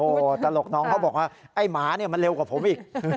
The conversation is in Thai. โอ้โหตลกน้องเขาบอกว่าไอ้หมาเนี่ยมันเร็วกว่าผมอีก